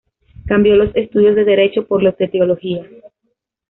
Cambió los estudios de derecho por los de teología.